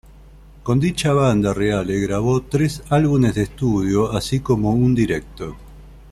Con dicha banda Reale grabó tres álbumes de estudio así como un directo.